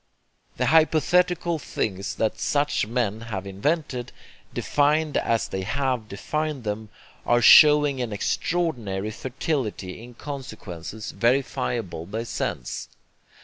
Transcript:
The hypothetical things that such men have invented, defined as they have defined them, are showing an extraordinary fertility in consequences verifiable by sense.